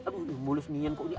aduh mulus nih yang kok ini